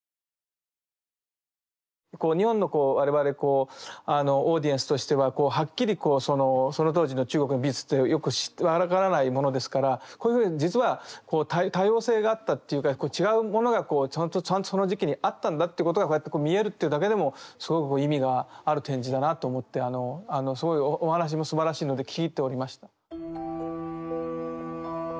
こう日本のこう我々こうオーディエンスとしてははっきりこうその当時の中国の美術ってよく分からないものですからこういうふうに実はこう多様性があったっていうか違うものがこうちゃんとその時期にあったんだってことがこうやって見えるってだけでもすごく意味がある展示だなと思ってすごいお話もすばらしいので聞き入っておりました。